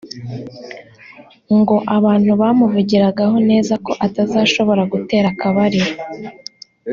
ngo abantu bamuvugiragaho neza ko atazashobora gutera akabariro